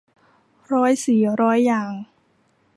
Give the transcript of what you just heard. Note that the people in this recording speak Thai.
ร้อยสีร้อยอย่าง